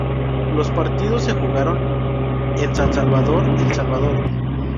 Los partidos se jugaron en San Salvador, El Salvador.